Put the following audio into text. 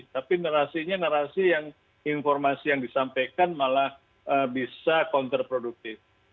tapi narasinya narasi yang informasi yang disampaikan malah bisa kontraproduktif